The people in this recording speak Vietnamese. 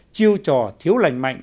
chiêu trò thiếu lành mạnh